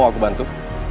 mau aku bantu